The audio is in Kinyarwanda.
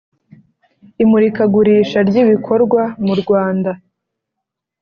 imurikagurisha ry ibikorerwa mu Rwanda